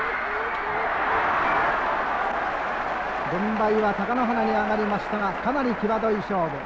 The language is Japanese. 軍配は貴ノ花に上がりましたがかなり際どい勝負。